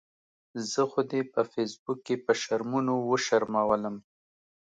زه خو دې په فیسبوک کې په شرمونو وشرمؤلم